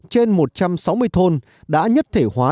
trên một trăm sáu mươi thôn đã nhất thể hóa